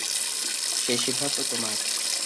সেই সিদ্ধান্ত তোমার।